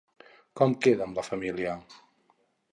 Com queda amb la família?